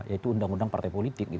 yaitu undang undang partai politik